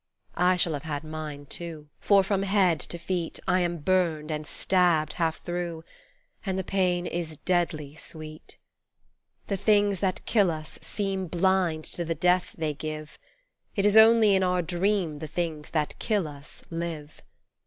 I shall have had mine, too, For from head to feet, I am burned and stabbed half through, And the pain is deadly sweet. The things that kill us seem Blind to the death they give : It is only in our dream The things that kill us live.